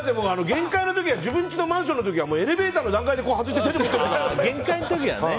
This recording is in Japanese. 限界の時は自分ちのマンションの時はエレベーターの段階で外してるからね。